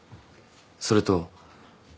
それと。